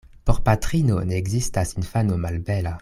Por patrino ne ekzistas infano malbela.